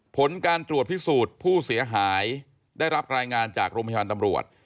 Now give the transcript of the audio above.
ผลการตรวจพิสูจน์ผู้เสียหายได้รับรายงานจากโรงพยาบาลตำรวจ